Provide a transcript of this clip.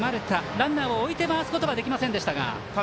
ランナーを置いて回すことはできませんでしたが。